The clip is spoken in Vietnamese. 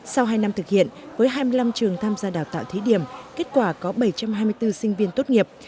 sau hai năm thực hiện với hai mươi năm trường tham gia đào tạo thí điểm kết quả có bảy trăm hai mươi bốn sinh viên tốt nghiệp